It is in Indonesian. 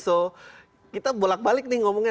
jadi kita bolak balik nih ngomongnya